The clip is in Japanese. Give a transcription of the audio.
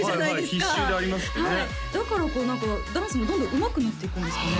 はいはい必修でありますってねはいだからこう何かダンスもどんどんうまくなっていくんですかね？